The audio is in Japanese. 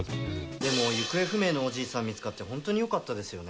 でも行方不明のおじいさん見つかってホントによかったですよね。